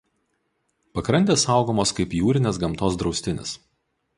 Pakrantės saugomos kaip jūrinės gamtos draustinis.